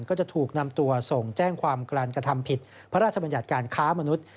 ก็จะถูกนำตัวส่งแจ้งความการกระทำผิดพระราชบัญญัติการค้ามนุษย์